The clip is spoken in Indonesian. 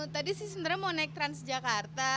tadi sih sebenarnya mau naik transjakarta